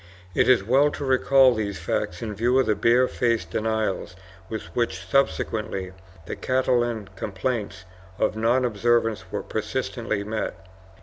It is well to recall these facts in view of the bare faced denials with which subsequently the Catalan complaints of non observance were persistently met.